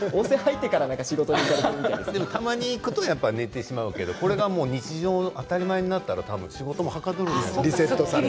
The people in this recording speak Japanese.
たまに行くと寝てしまうけれどもこれが日常が当たり前になったら仕事もはかどるんじゃない？